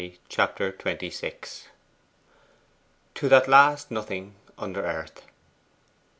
Chapter XXVI 'To that last nothing under earth.